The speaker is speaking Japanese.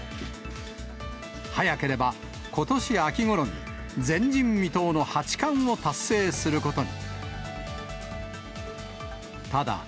早ければことし秋ごろに、前人未到の八冠を達成することに。